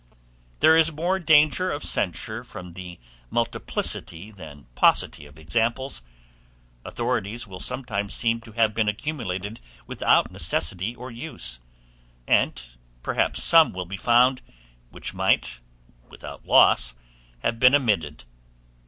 There is more danger of censure from the multiplicity than paucity of examples, authorities will sometimes seem to have been accumulated without necessity or use, and perhaps some will be found, which might, without loss, have been omitted.